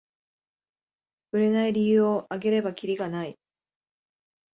売れない理由をあげればキリがない